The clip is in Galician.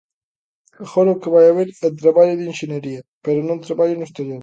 Agora o que vai haber é traballo de enxeñería, pero non traballo nos talleres.